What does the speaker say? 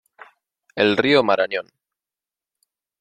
El Río Marañón.